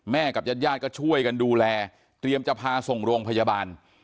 กับญาติญาติก็ช่วยกันดูแลเตรียมจะพาส่งโรงพยาบาล